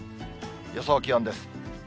予想気温です。